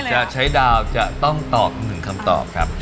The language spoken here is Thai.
ก่อนจะใช้ดาวจะต้องตอบหนึ่งคำตอบครับ